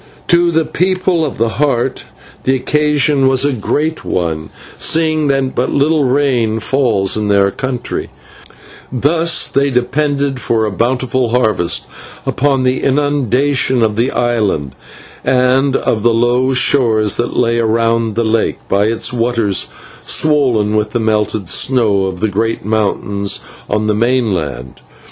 To the People of the Heart the occasion was a great one, seeing that but little rain falls in their country, and thus they depend for a bountiful harvest upon the inundation of the island and of the low shores that lay around the lake by its waters swollen with the melted snow of the great mountains on the mainland.